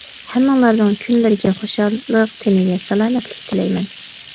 ھەممىڭلارنىڭ كۈنلىرىگە خۇشاللىق، تېنىگە سالامەتلىك تىلەيمەن.